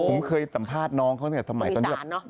ผมเคยสัมภาษณ์น้องเขาเนี่ยสมัยตอนนี้คุณพูดอีสานเนอะ